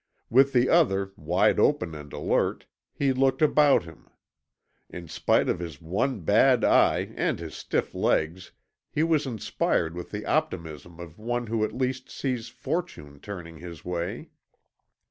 With the other, wide open and alert, he looked about him. In spite of his one bad eye and his stiff legs he was inspired with the optimism of one who at last sees fortune turning his way.